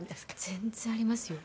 全然ありますよ。